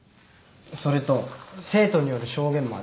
それと生徒による証言もある。